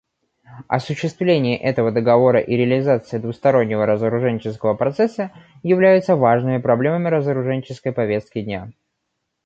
Осуществление этого Договора и реализация двустороннего разоруженческого процесса являются важными проблемами разоруженческой повестки дня.